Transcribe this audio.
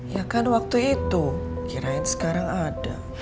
ya kan waktu itu irai sekarang ada